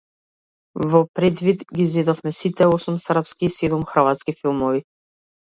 Во предвид ги зедовме сите осум српски и седум хрватски филмови.